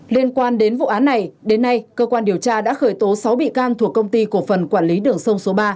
liên quan đến vụ án này đến nay cơ quan điều tra đã khởi tố sáu bị can thuộc công ty cổ phần quản lý đường sông số ba